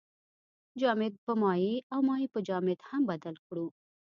جامد په مایع او مایع په جامد هم بدل کړو.